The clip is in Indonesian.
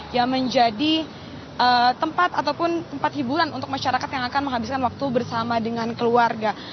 yang menjadi tempat ataupun tempat hiburan untuk masyarakat yang akan menghabiskan waktu bersama dengan keluarga